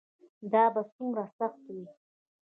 دا به څومره سخت وي.